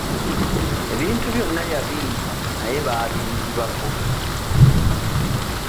Ebintu byonna yambimpa naye baabinzibako.